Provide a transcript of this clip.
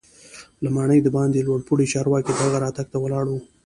له ماڼۍ دباندې لوړ پوړي چارواکي د هغه راتګ ته ولاړ وو.